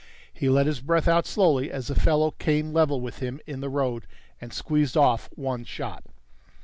He let his breath out slowly as the fellow came level with him in the road and squeezed off one shot.